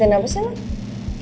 eh ngeliatin apa sih